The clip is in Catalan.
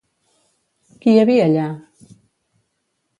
Qui hi havia allà?